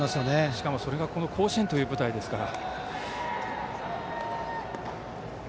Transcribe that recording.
しかもそれがこの甲子園という舞台ですから。